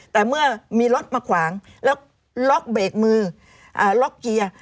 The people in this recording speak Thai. แต่เมื่อมีรถมาขวางแล้วล็อกเบรกมือล็อกเกียร์